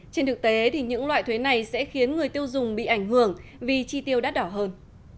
trên thực tế những loại thuế này sẽ khiến người tiêu dùng bị ảnh hưởng vì chi tiêu đắt đỏ hơn